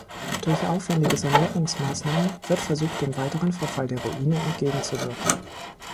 Durch aufwendige Sanierungsmaßnahmen wird versucht, dem weiteren Verfall der Ruine entgegenzuwirken.